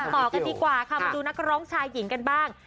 ต่อกันดีกว่าค่ะมาดูนักร้องชายหญิงกันบ้าง